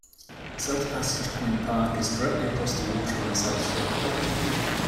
South Passage Point Park is directly across the water on the south shore.